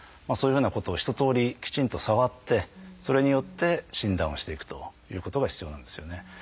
そういうふうなことを一とおりきちんと触ってそれによって診断をしていくということが必要なんですよね。